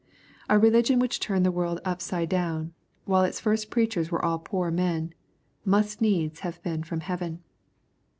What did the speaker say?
A religion which turned the world upside dowo, while its first preachers were all poor men, must needs have been from heaven.